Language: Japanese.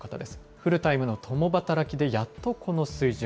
フルタイムの共働きでやっとこの水準。